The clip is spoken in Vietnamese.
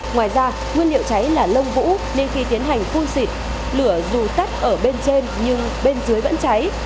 ngoài ra nguyên liệu cháy là lông vũ nên khi tiến hành phun xịt lửa dù tắt ở bên trên nhưng bên dưới vẫn cháy